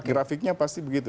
grafiknya pasti begitu